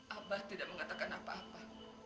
abah tidak mengatakan apa apa